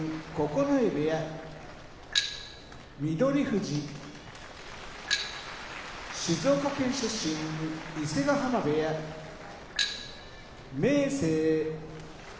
翠富士静岡県出身伊勢ヶ濱部屋明生